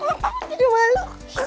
mama jadi malu